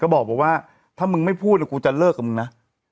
เนี่ยก็บอกบอกว่าถ้ามึงไม่พูดแล้วกูจะเลิกกับมึงนะ